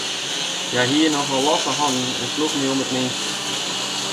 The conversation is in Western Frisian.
Hja hie nochal losse hannen en sloech my om it minste.